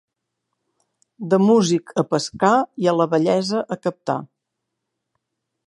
De músic a pescar i a la vellesa a captar.